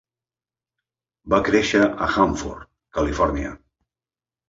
Va créixer a Hanford, Califòrnia.